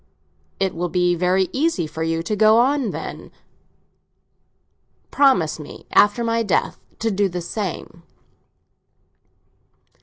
"It will be very easy for you to go on, then. Promise me, after my death, to do the same."